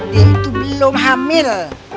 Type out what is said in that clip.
dia itu belum hamil